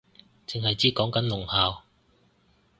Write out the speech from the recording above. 剩係知講緊聾校